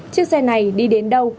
chiếc xe này đi đến đâu